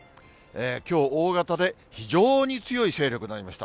きょう、大型で非常に強い勢力になりました。